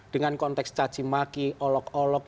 dengan konteks cacimaki olok olok